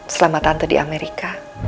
selamat tante di amerika